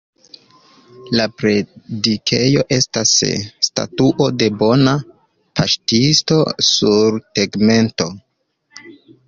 La predikejo estas Statuo de Bona Paŝtisto sur tegmento.